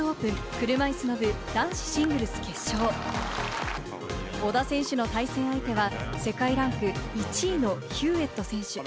車いすの部、男子シングルス決勝小田選手の対戦相手は世界ランク１位のヒューエット選手。